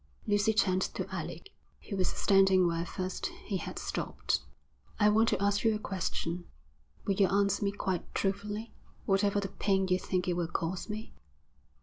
Lucy turned to Alec, who was standing where first he had stopped. 'I want to ask you a question. Will you answer me quite truthfully, whatever the pain you think it will cause me?'